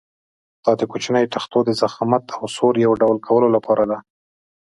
دا د کوچنیو تختو د ضخامت او سور یو ډول کولو لپاره ده.